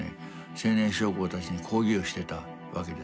青年将校たちに講義をしてたわけですね。